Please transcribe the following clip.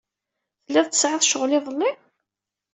Telliḍ tesɛiḍ ccɣel iḍelli?